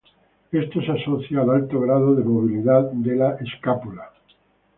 Esto se asocia al alto grado de movilidad de la escápula.